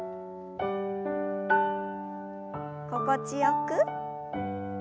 心地よく。